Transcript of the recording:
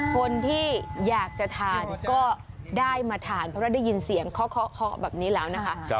คนที่อยากจะทานก็ได้มาทานเพราะได้ยินเสียงเคาะแบบนี้แล้วนะคะ